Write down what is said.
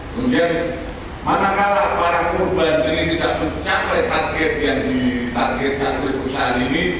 kemudian manakala para korban ini tidak mencapai target yang ditargetkan oleh perusahaan ini